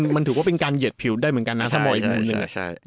มันถือว่าเป็นการเหยียดผิวได้เหมือนกันนะถ้ามองอีกมุมหนึ่ง